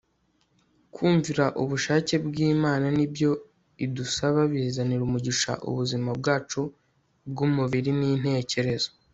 kumvira ubushake bw'imana n'ibyo idusaba bizanira umugisha ubuzima bwacu bw'umubiri n'intekerezo